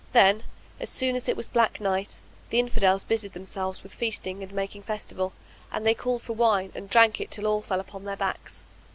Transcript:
Then, as soon as it was black night, the Infidels busied themselves with feasting and making festival; and they called for wine and drank it till all fell upon their backs.